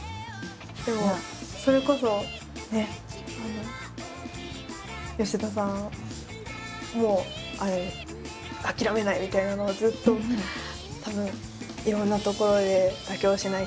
でもそれこそ吉田さんも「あきらめない！」みたいなのがずっとたぶんいろんなところで「妥協しない！」